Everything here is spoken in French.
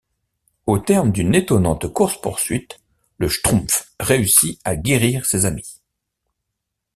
Au terme d'une étonnante course-poursuite, le schtroumpf réussit à guérir ses amis.